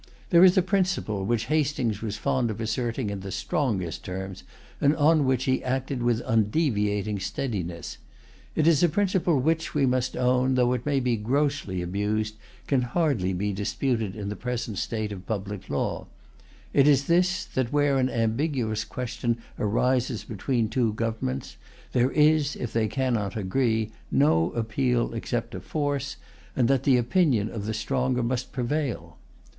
There is a principle which Hastings was fond of asserting in the strongest terms, and on which he acted with undeviating steadiness. It is a principle which, we must own, though it may be grossly abused, can hardly be disputed in the present state of public law. It is this, that where an ambiguous question arises between two governments, there is, if they cannot agree, no appeal except to force, and that the opinion of the stronger must prevail.